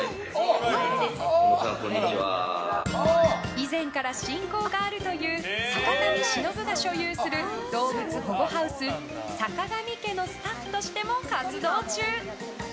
以前から親交があるという坂上忍が所有する動物保護ハウス、さかがみ家のスタッフとしても活動中。